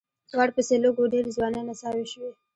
ورپسې لږ و ډېرې ځوانې نڅاوې شوې.